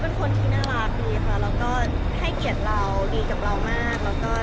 ภาพรู้สึกว่าเขาเป็นคนที่น่ารักดีแล้วก็ให้เกลียดเราดีกับเรามากแล้วก็